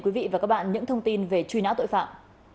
quý vị và các bạn những thông tin về truy nã tội phạm